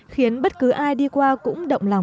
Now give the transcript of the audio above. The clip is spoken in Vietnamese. khiến bất cứ ai đi qua cũng động lòng